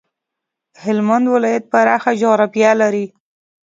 هلمند ولایت پراخه جغرافيه لري.